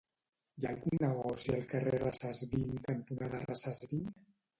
Hi ha algun negoci al carrer Recesvint cantonada Recesvint?